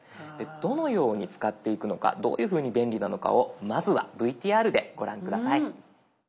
どのように使っていくのかどういうふうに便利なのかをまずはＶＴＲでご覧下さい。